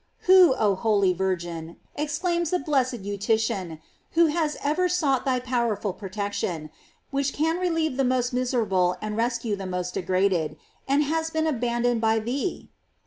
* Who, oh holy Virgin, exclaims the blessed Eutychian, has ever sought thy powerful protection, which can relieve the most miser* able and rescue the most degraded, and has been abandoned by thee?